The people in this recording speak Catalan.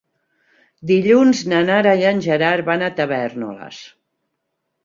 Dilluns na Nara i en Gerard van a Tavèrnoles.